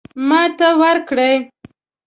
ماته ورکړي.